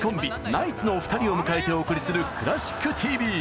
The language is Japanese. ナイツのお二人を迎えてお送りする「クラシックＴＶ」！